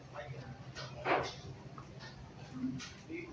สวัสดีทุกคน